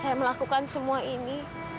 saya melakukan semua ini